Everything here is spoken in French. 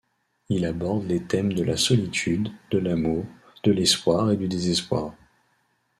Il aborde les thèmes de la solitude, de l'amour, de l'espoir et du désespoir.